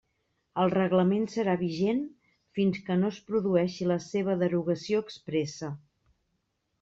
El Reglament serà vigent fins que no es produeixi la seva derogació expressa.